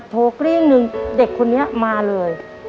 โทรกรีนหนึ่งเด็กคนนี้มาเลย